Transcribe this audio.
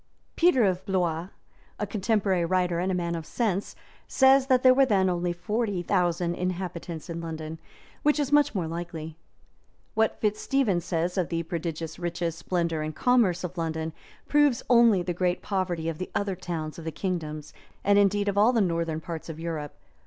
Peter of Blois, a contemporary writer, and a man of sense, says there were then only forty thousand inhabitants in London, which is much more likely. See epist. 151. What Fitz Stephen says of the prodigious riches, splendor, and commerce of London, proves only the great poverty of the other towns of the kingdoms and indeed of all the northern parts of Europe.